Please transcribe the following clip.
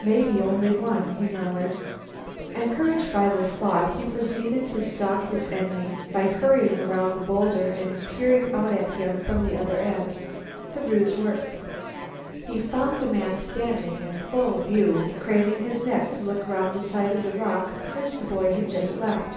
"May be only one," he murmured. Encouraged by this thought, he proceeded to stalk his enemy by hurrying around the bowlder and peering out at him from the other end. The ruse worked. He found the man standing in full view, craning his neck to look around the side of the rock which the boy had just left.